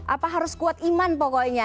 apa harus kuat iman pokoknya